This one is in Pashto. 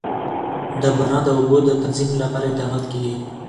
د باران د اوبو د تنظیم لپاره اقدامات کېږي.